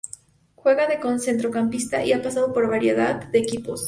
Juega de centrocampista y ha pasado por variedad de equipos.